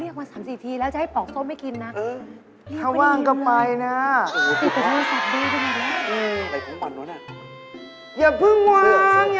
อย่าพึ่งวางอย่าพึ่งวาง